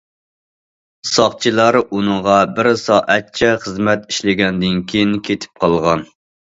ساقچىلار ئۇنىڭغا بىر سائەتچە خىزمەت ئىشلىگەندىن كېيىن كېتىپ قالغان.